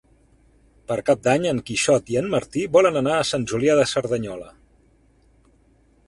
Per Cap d'Any en Quixot i en Martí volen anar a Sant Julià de Cerdanyola.